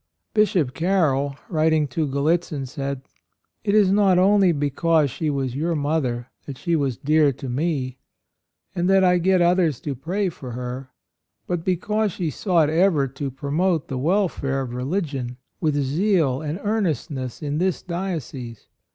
Bishop Carroll, writing to Gallitzin, said: "It is not only because she was your mother that she was dear to me, and that I get others to pray for her, but because she sought ever to promote the welfare of religion with zeal and earnest ness in this diocese.